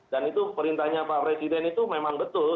dan itu perintahnya pak presiden itu memang betul